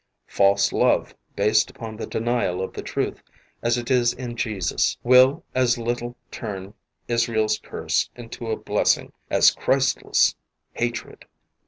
False love based upon the denial 'of the truth as it is in Jesus, will as little turn Israel's curse into a blessing as Christless hatred..